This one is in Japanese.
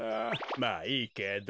まあいいけど。